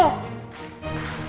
nih aku lihat